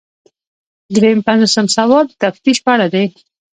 درې پنځوسم سوال د تفتیش په اړه دی.